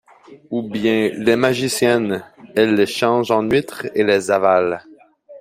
Ou bien, les magiciennes! elles les changent en huîtres, et les avalent.